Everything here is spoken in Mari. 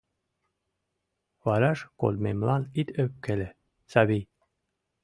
Вараш кодмемлан ит ӧпкеле, Савий!